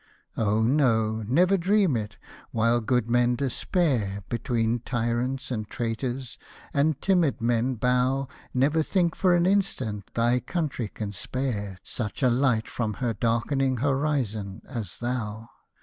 Oh no, never dream it — while good men despair Between tyrants and traitors, and timid men bow, Never think, for an instant, thy country can spare Such a light from her darkening horizon as thou.